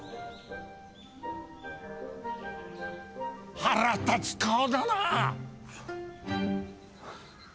腹立つ顔だなあ！